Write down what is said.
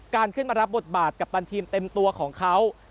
การขึ้นมารับบทบาทกัปตันทีมเต็มตัวของเขา